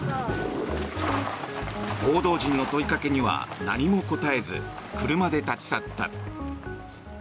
報道陣の問いかけには何も答えず車で立ち去った。